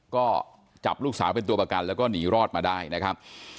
ก็จับลูกสาวเป็นตัวประกันแล้วก็หนีรอดมาได้นะครับ